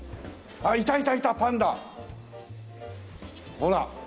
ほら！